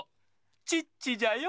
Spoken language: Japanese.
チッチじゃよ。